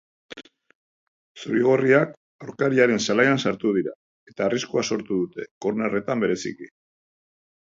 Zuri-gorriak aurkariaren zelaian sartu dira, eta arriskua sortu dute, kornerretan bereziki.